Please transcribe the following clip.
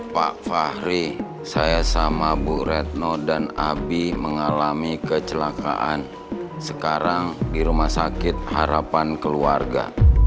pak fahri saya sama bu retno dan abi mengalami kecelakaan sekarang di rumah sakit harapan keluarga